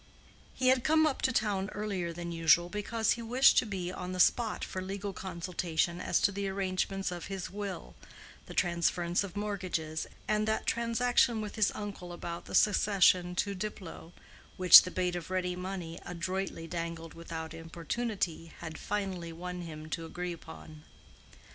He had come up to town earlier than usual because he wished to be on the spot for legal consultation as to the arrangements of his will, the transference of mortgages, and that transaction with his uncle about the succession to Diplow, which the bait of ready money, adroitly dangled without importunity, had finally won him to agree upon.